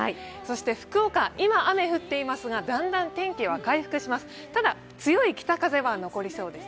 福岡、今雨が降っていますがだんだん天気は回復します。